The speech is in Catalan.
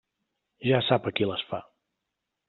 Ja sap a qui les fa.